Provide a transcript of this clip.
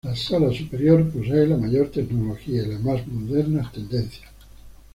La sala superior posee la mayor tecnología y las más modernas tendencias.